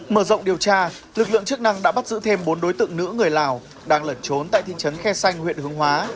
mở rộng điều tra lực lượng chức năng đã bắt giữ thêm bốn đối tượng nữ người lào đang lẩn trốn tại thị trấn khe xanh huyện hướng hóa